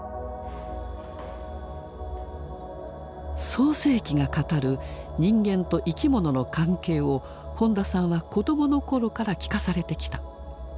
「創世記」が語る人間と生き物の関係を本田さんは子どもの頃から聞かされてきた。